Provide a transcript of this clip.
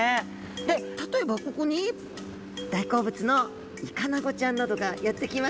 で例えばここに大好物のイカナゴちゃんなどが寄ってきます。